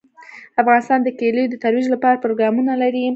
افغانستان د کلیو د ترویج لپاره پروګرامونه لري.